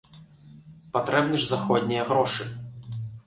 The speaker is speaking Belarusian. Патрэбны ж заходнія грошы.